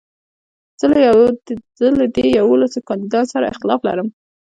زه له دې يوولسو کانديدانو سره اختلاف لرم.